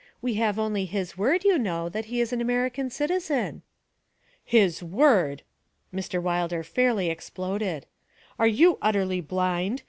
We only have his word, you know, that he is an American citizen.' 'His word!' Mr. Wilder fairly exploded. 'Are you utterly blind?